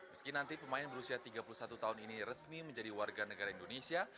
meski nanti pemain berusia tiga puluh satu tahun ini resmi menjadi warga negara indonesia